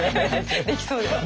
できそうです。